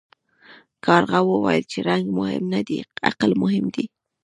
کارغه وویل چې رنګ مهم نه دی عقل مهم دی.